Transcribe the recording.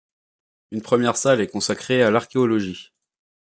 Une première salle est consacrée à l'archéologie.